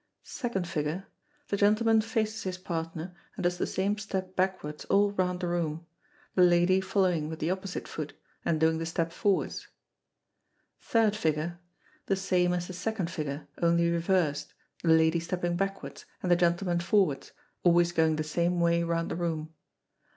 Second Figure. The gentleman faces his partner, and does the same step backwards all round the room, the lady following with the opposite foot, and doing the step forwards. Third Figure. The same as the second figure, only reversed, the lady stepping backwards, and the gentleman forwards, always going the same way round the room.